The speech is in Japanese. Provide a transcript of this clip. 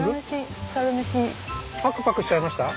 パクパクしちゃいました？